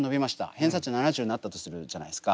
偏差値７０になったとするじゃないですか。